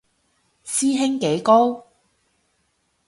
師兄幾高